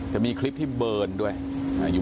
จะมีคลิปที่เบิร์นด้วยอายุ